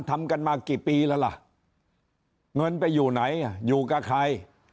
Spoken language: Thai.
ทำกันมากี่ปีแล้วล่ะเงินไปอยู่ไหนอยู่กับใคร